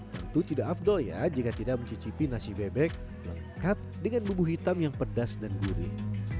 tentu tidak afdol ya jika tidak mencicipi nasi bebek lengkap dengan bumbu hitam yang pedas dan gurih